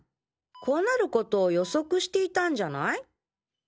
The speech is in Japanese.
こうなることを予測していたんじゃない？